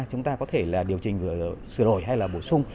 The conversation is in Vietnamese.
chúng ta có thể điều chỉnh sửa đổi hay bổ sung